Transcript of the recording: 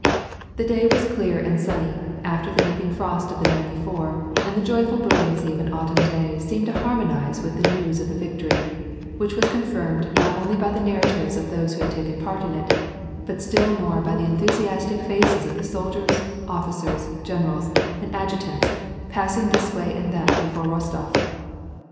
The day was clear and sunny, after the nipping frost of the night before, and the joyful brilliancy of an autumn day seemed to harmonize with the news of the victory, which was confirmed not only by the narratives of those who had taken part in it, but still more by the enthusiastic faces of the sol diers, officers, generals, and adjutants, passing this way and that before Rostof.